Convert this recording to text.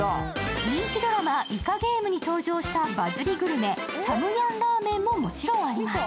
韓国映画「イカゲーム」に登場したバズリグルメサムヤンラーメンももちろんあります。